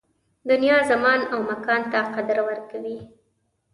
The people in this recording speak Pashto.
دنیا زمان او مکان ته قدر ورکوي